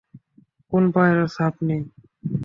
কোনো পায়ের ছাপ নেই।